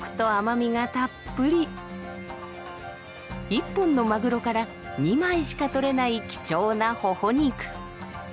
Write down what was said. １本のマグロから２枚しか取れない貴重なホホ肉。